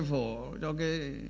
phổ cho cái